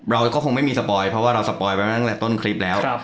เราก็คงไม่มีสปอยเพราะว่าเราสปอยไปมาตั้งแต่ต้นคลิปแล้ว